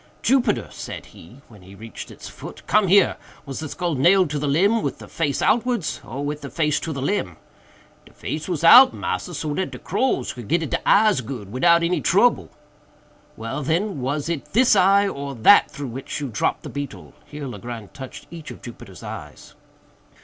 "Jupiter," said he, when we reached its foot, "come here! was the skull nailed to the limb with the face outwards, or with the face to the limb?" "De face was out, massa, so dat de crows could get at de eyes good, widout any trouble." "Well, then, was it this eye or that through which you dropped the beetle?"—here Legrand touched each of Jupiter's eyes.